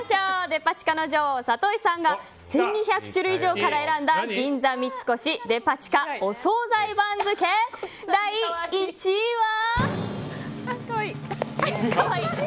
デパ地下の女王、里井さんが１２００種類以上から選んだ銀座三越デパ地下お総菜番付第１位は。